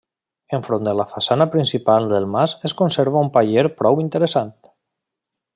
Enfront de la façana principal del mas es conserva un paller prou interessant.